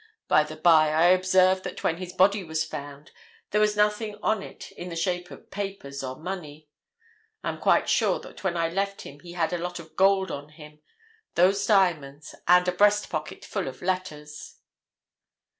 By the by, I observe that when his body was found there was nothing on it in the shape of papers or money. I am quite sure that when I left him he had a lot of gold on him, those diamonds, and a breast pocket full of letters."